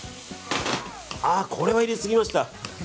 これは入れすぎました。